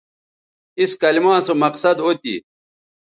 اِس کلما سو مقصد او تھی